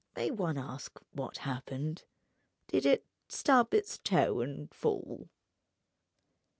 May one ask what happened? Did it stub its toe and fall?"